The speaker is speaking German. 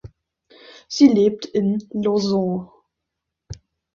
Sie lebt in Lausanne.